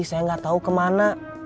saya nggak tahu kemana